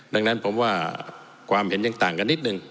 ดังนั้นผมว่าความเห็นยังต่างกันนิดนึง